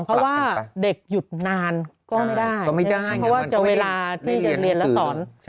เพราะว่าเด็กหยุดนานก็ไม่ได้เพราะว่าเวลาเรียนแล้วสอน